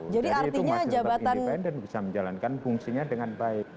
jadi itu masih tetap independen bisa menjalankan fungsinya dengan baik